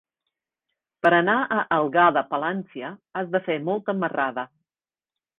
Per anar a Algar de Palància has de fer molta marrada.